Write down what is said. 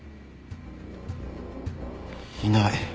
いない。